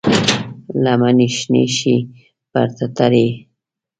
لمنې شنې شي پر ټټر یې،